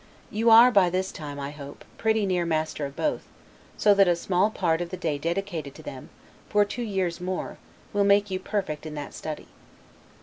You are by this time, I hope, pretty near master of both, so that a small part of the day dedicated to them, for two years more, will make you perfect in that study.